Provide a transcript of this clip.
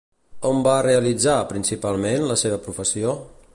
On va realitzar, principalment, la seva professió?